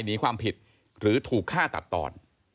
หนีความผิดหรือถูกฆ่าตัดตอน